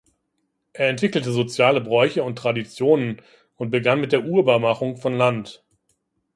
Er entwickelte soziale Bräuche und Traditionen und begann mit der Urbarmachung von Land.